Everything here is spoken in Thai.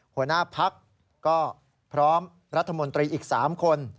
หัวหน้าพักก็พร้อมรัฐมนตรีอีก๓คน